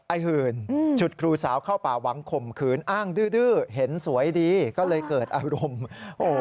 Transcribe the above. หื่นฉุดครูสาวเข้าป่าหวังข่มขืนอ้างดื้อเห็นสวยดีก็เลยเกิดอารมณ์โอ้โห